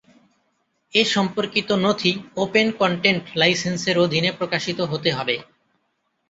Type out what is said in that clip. এ সম্পর্কিত নথি "open content" লাইসেন্সের অধীনে প্রকাশিত হতে হবে।